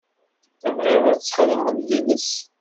Tebɣiḍ ad txedmeḍ yid-s.